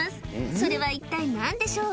それは一体何でしょう？